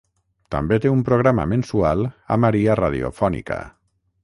També té un programa mensual a Maria Radiofònica.